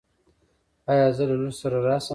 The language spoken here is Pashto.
ایا زه له لور سره راشم؟